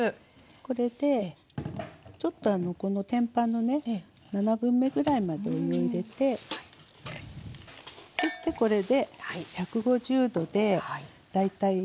これでちょっとこの天板のね七分目ぐらいまでお湯を入れてそしてこれで１５０℃で大体１５分ですね。